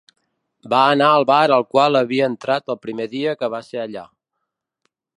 Va anar al bar al qual havia entrat el primer dia que va ser allà.